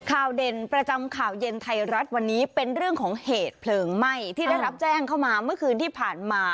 เด่นประจำข่าวเย็นไทยรัฐวันนี้เป็นเรื่องของเหตุเพลิงไหม้ที่ได้รับแจ้งเข้ามาเมื่อคืนที่ผ่านมา